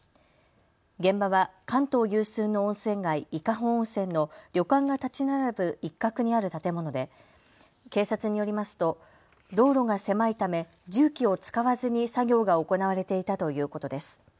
現場は関東有数の温泉街、伊香保温泉の旅館が建ち並ぶ一角にある建物で警察によりますと道路が狭いため重機を使わずに作業が行われていたということです。